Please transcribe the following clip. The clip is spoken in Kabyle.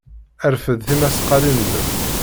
Rfed tismaqqalin-nnem.